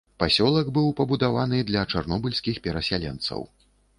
Пасёлак быў пабудаваны для чарнобыльскіх перасяленцаў.